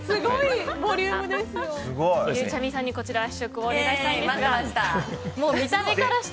ゆうちゃみさんに試食をお願いします。